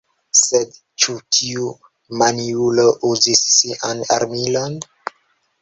Sed ĉu tiu maniulo uzis sian armilon?